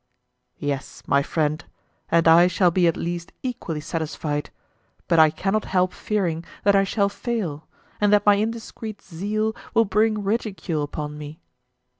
Yes, my friend, and I shall be at least equally satisfied, but I cannot help fearing that I shall fail, and that my indiscreet zeal will bring ridicule upon me.